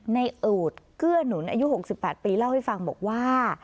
ในเอิดเกื้อหนุนอายุหกสิบแปดปีเล่าให้ฟังบอกว่า